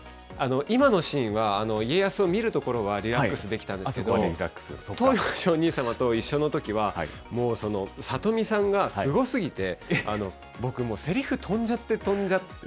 今のシーンは、家康を見るところはリラックスできたんですけど、登譽上人様と一緒のときはもう、里見さんがすごすぎて、僕もせりふ飛んじゃって飛んじゃって。